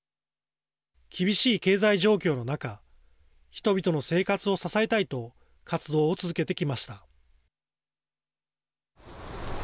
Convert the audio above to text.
厳しい経済状況の中人々の生活を支えたいと活動を続けてきました。